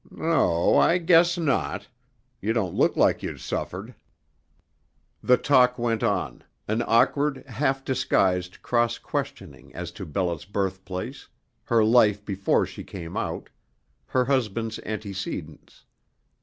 "No, I guess not. You don't look like you'd suffered." The talk went on, an awkward, half disguised cross questioning as to Bella's birthplace, her life before she came out, her husband's antecedents.